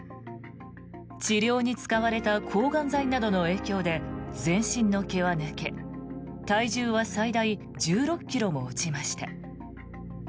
治療に使われた抗がん剤などの影響で全身の毛は抜け体重は最大１６ｋｇも落ちました。